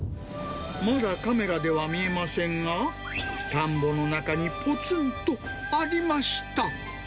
まだカメラでは見えませんが、田んぼの中にぽつんとありました。